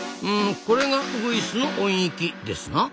これがウグイスの音域ですな。